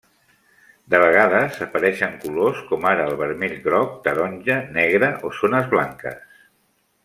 De vegades apareixen colors com ara el vermell, groc, taronja, negre o zones blanques.